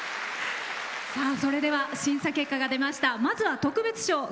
それでは審査結果が出ました。